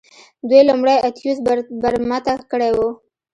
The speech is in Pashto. دوی لومړی اتیوس برمته کړی و